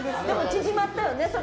でも縮まったよね